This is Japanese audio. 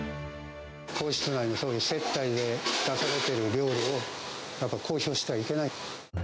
皇室内のそういう接待で出されている料理を、公表してはいけない。